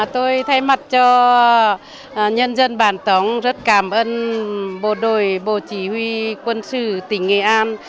tôi thay mặt cho nhân dân bản tống rất cảm ơn bộ đội bộ chỉ huy quân sự tỉnh nghệ an